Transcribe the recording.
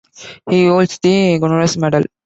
He holds the Gunnerus Medal.